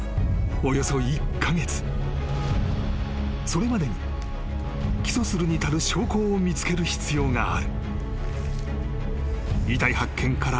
［それまでに起訴するに至る証拠を見つける必要がある］